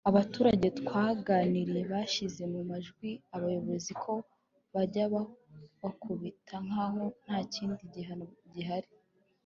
Abaturage twaganiriye bashyize mu majwi abayobozi ko bajya babakubita nk’aho nta kindi gihano gihari